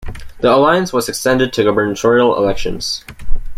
The alliance was extended to gubernatorial elections.